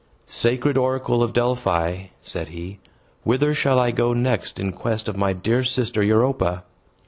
"Sacred oracle of Delphi," said he, "whither shall I go next in quest of my dear sister Europa?"